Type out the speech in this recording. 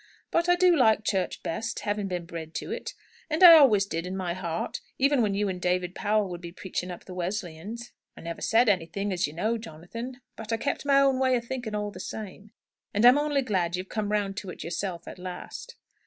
But I do like church best, having been bred to it. And I always did, in my heart, even when you and David Powell would be preaching up the Wesleyans. I never said anything, as you know, Jonathan. But I kept my own way of thinking all the same. And I'm only glad you've come round to it yourself, at last."